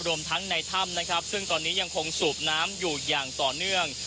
รวมทั้งในถ้ำนะครับซึ่งตอนนี้ยังคงสูบน้ำอยู่อย่างต่อเนื่อง